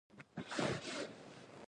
پیلوټ د غرونو لوړو ته پام کوي.